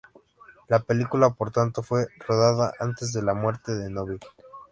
La película, por tanto, fue rodada antes de la muerte de Nobile.